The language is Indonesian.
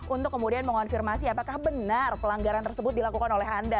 untuk kemudian mengonfirmasi apakah benar pelanggaran tersebut dilakukan oleh anda